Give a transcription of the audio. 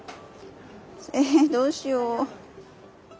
えどうしよう。